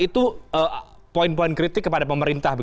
itu poin poin kritik kepada pemerintah